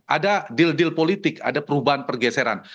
ada deal deal politik ada perubahan pergeseran